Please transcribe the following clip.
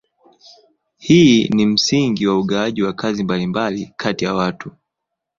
Hii ni msingi wa ugawaji wa kazi mbalimbali kati ya watu.